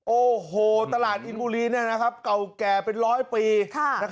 โอ้โหตลาดอินบุรีเก่าแก่เป็นร้อยปี